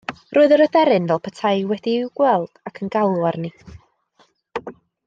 Roedd yr aderyn fel petai wedi'i gweld hi ac yn galw arni.